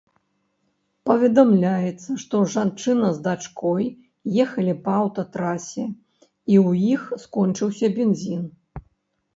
Паведамляецца, што жанчына з дачкой ехалі па аўтатрасе, і ў іх скончыўся бензін.